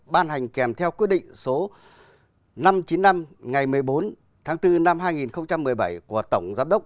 ban hành kèm theo quyết định số năm trăm chín mươi năm ngày một mươi bốn tháng bốn năm hai nghìn một mươi bảy của tổng giám đốc